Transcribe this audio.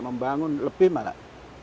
membangun lebih malah